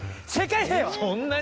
そんなに？